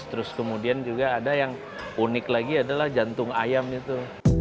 terus kemudian juga ada yang unik lagi adalah jantung ayam itu